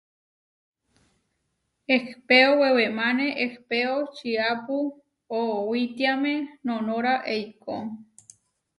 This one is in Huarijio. Ehpéo wewemáne ehpéo čiápu oʼowitiáme noʼnóra eikó.